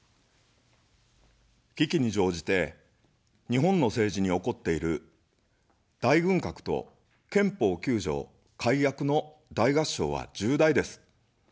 危機に乗じて、日本の政治に起こっている大軍拡と憲法９条改悪の大合唱は重大です。